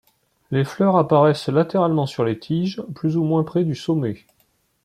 Les fleurs apparaissent latéralement sur les tiges, plus ou moins près du somment.